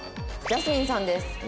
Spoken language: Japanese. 「ジャスミンさんです」。